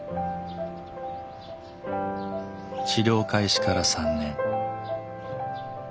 治療開始から３年。